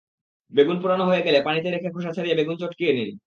বেগুন পোড়ানো হয়ে গেলে পানিতে রেখে খোসা ছড়িয়ে বেগুন চটকিয়ে নিন।